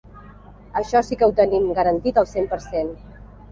Això sí que ho tenim garantit al cent per cent.